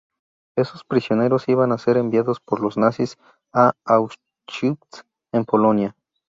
Esos prisioneros iban ser enviados por los nazis a Auschwitz, en Polonia.